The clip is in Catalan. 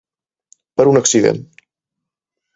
Per un accident.